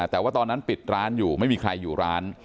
แต่ว่าตอนนั้นปิดร้านอยู่ไม่มีใครอยู่ร้าน